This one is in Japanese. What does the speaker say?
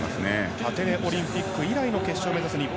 アテネオリンピック以来の決勝を目指す日本。